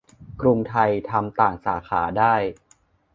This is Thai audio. - กรุงไทย ทำต่างสาขาได้